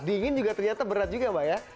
dingin juga ternyata berat juga mbak ya